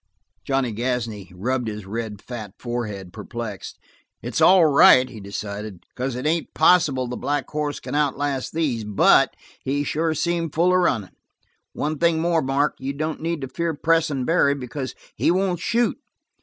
Johnny Gasney rubbed his red, fat forehead, perplexed. "It's all right," he decided, "because it ain't possible the black hoss can outlast these. But he sure seemed full of runnin! One thing more, Mark. You don't need to fear pressin' Barry, because he won't shoot.